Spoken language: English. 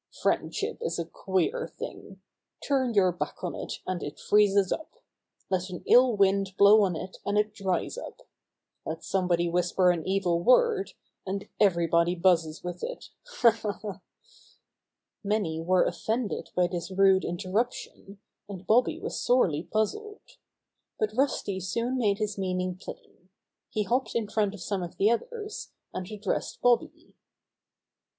"Friendship is a queer thing. Turn your back on it, and it freezes up. Let an ill wind blow on it and it dries up. Let Bobby Finds the Birds IIT somebody whisper an evil word, and every body buzzes with it. Ha ! Ha I Ha 1" Many were offended by this rude interrup tion, and jBobby was sorely puzzled. But Rusty toon made his meaning plain. He hopped in front of the others, and addressed Bobby.